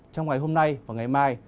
trong ngày hôm nay và ngày mai